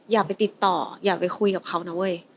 อย่าไปติดต่ออย่าไปคุยกับเขานะเว้ย